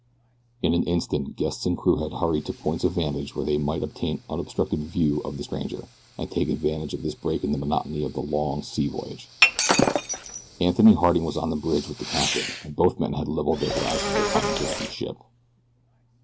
In an instant guests and crew had hurried to points of vantage where they might obtain unobstructed view of the stranger, and take advantage of this break in the monotony of a long sea voyage. Anthony Harding was on the bridge with the captain, and both men had leveled their glasses upon the distant ship.